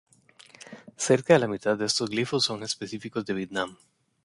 Cerca de la mitad de estos glifos son específicos de Vietnam.